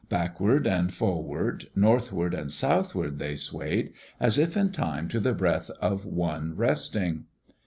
Backward and forward, northward and southward they swayed, as if in time to the breath of one resting.